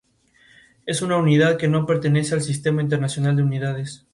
Milton Sills actuó en dos películas sonoras, mostrando que tenía una voz excelente.